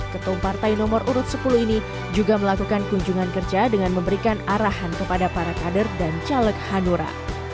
ketum partai nomor urut sepuluh ini juga melakukan kunjungan kerja dengan memberikan arahan kepada para kader dan caleg hanura